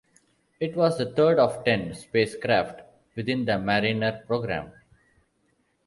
It was the third of ten spacecraft within the Mariner program.